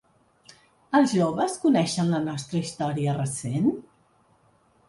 Els joves coneixen la nostra història recent?